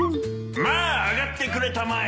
まあ上がってくれたまえ